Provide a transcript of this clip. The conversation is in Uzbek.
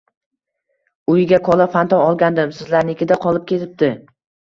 - Uyga Cola, Fanta olgandim, sizlarnikida qolib ketibdi!